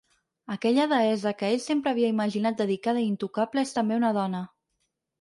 Aquella deessa que ell sempre havia imaginat dedicada i intocable és també una dona.